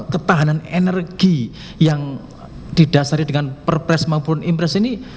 ketahanan energi yang didasari dengan perpres maupun impres ini